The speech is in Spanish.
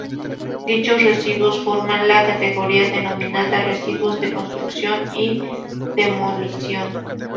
Dichos residuos forman la categoría denominada residuos de construcción y demolición.